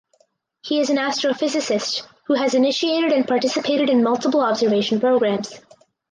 He is an astrophysicist who has initiated and participated in multiple observation programs.